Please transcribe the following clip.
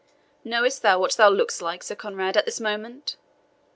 "Knowest thou what thou look'st like, Sir Conrade, at this moment?